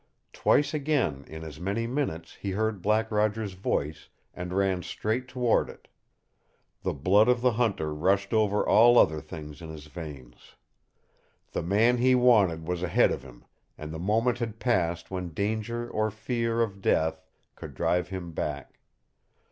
Twice again in as many minutes he heard Black Roger's voice, and ran straight toward it. The blood of the hunter rushed over all other things in his veins. The man he wanted was ahead of him and the moment had passed when danger or fear of death could drive him back.